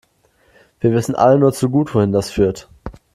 Wir wissen alle nur zu gut, wohin das führt.